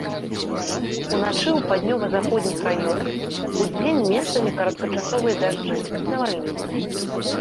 Уначы ў паўднёва-заходніх раёнах, удзень месцамі кароткачасовыя дажджы, навальніцы.